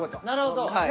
なるほど。